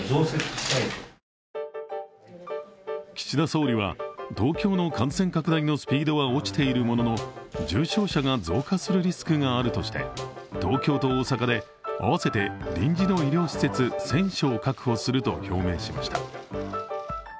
岸田総理は、東京の感染拡大のスピードは落ちているものの重症者が増加するリスクがあるとして、東京と大阪で合わせて臨時の医療施設１０００床確保すると表明しました。